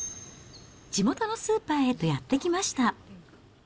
地元のスーパーへとやって来ました。